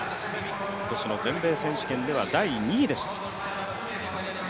今年の全米選手権では第２位でした。